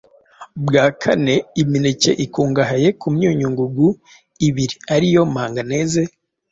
Bwa kane imineke ikungahaye ku myunyungugu ibiri ari yo manganese